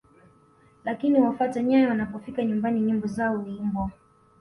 Lakini wafata nyayo wanapofika nyumbani nyimbo zao huimbwa